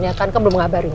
ya kan kan belum ngabarin ya